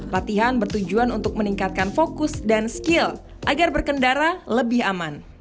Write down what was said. latihan bertujuan untuk meningkatkan fokus dan skill agar berkendara lebih aman